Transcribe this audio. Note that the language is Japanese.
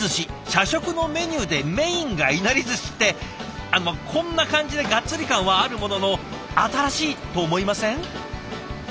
社食のメニューでメインがいなりずしってこんな感じでガッツリ感はあるものの新しいと思いません？